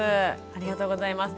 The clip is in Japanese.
ありがとうございます。